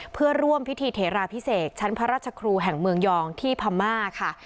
เพื่อร่วมพิธีเถราพิเศษชั้นพระราชครูแห่งเมืองยองที่พม่าค่ะ